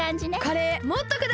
カレーもっとください！